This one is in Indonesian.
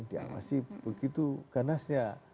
dia masih begitu ganasnya